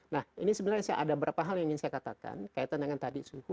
nah ini sebenarnya ada beberapa hal yang ingin saya katakan kaitan dengan tadi suhu